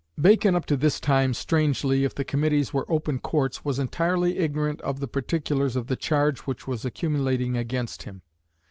Bacon up to this time strangely, if the Committees were "open Courts," was entirely ignorant of the particulars of the charge which was accumulating against him.